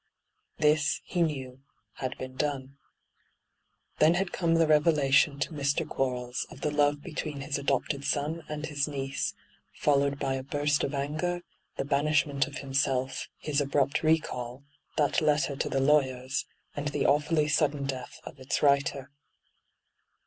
This, he knew, had been done. Then had come the revelation to Mr. Quarles of the love between his adopted son and his niece, followed by a buret of anger, the banishment of himself, his abrupt recall, that letter to the lawyers, and the awfully sudden death of its writer.